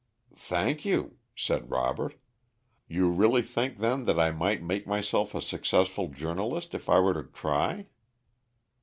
"Thank you," said Robert. "You really think, then, that I might make myself a successful journalist if I were to try?"